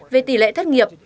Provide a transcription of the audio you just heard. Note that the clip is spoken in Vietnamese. về tỷ lệ thất nghiệp